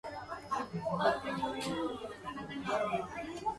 In ancient times a runic system of writing was used.